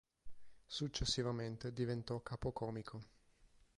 Successivamente diventò capocomico.